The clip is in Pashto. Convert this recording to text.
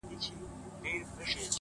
راته سور اور جوړ كړي تنور جوړ كړي”